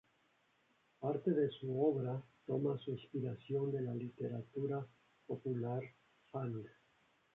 Parte de su obra toma su inspiración de la literatura popular fang.